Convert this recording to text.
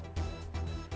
sehat selalu juga